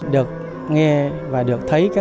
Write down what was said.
được nghe và được thấy các